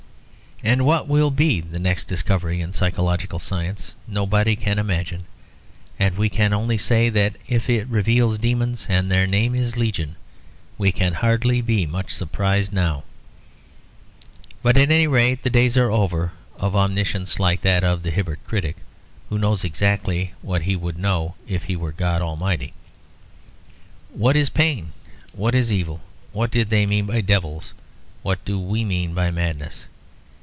And what will be the next discovery in psychological science nobody can imagine; and we can only say that if it reveals demons and their name is Legion, we can hardly be much surprised now. But at any rate the days are over of Omniscience like that of the Hibbert critic, who knows exactly what he would know if he were God Almighty. What is pain? What is evil? What did they mean by devils? What do we mean by madness?